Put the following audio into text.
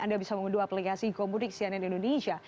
anda bisa mengunduh aplikasi gomudik cnn indonesia